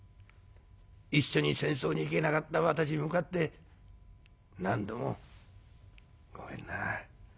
一緒に戦争に行けなかった私に向かって何度も『ごめんな。